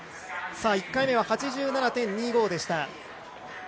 １回目は８７．２５でした。